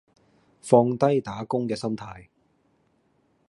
放低打工嘅心態